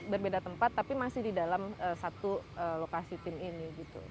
berbeda tempat tapi masih di dalam satu lokasi tim ini